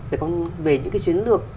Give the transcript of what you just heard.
về những cái chiến lược